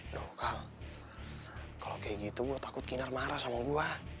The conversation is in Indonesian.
lokal kalau kayak gitu gue takut kinar marah sama gue